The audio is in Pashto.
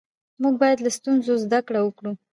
موږ باید له ستونزو زده کړه وکړو